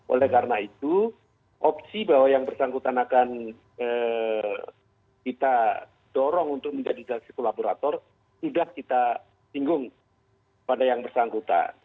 oleh karena itu opsi bahwa yang bersangkutan akan kita dorong untuk menjadi justice collaborator sudah kita singgung pada yang bersangkutan